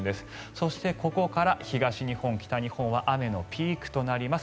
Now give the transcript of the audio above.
そしてここから東日本、北日本は雨のピークとなります。